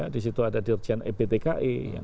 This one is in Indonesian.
di situ ada dirjen ebtki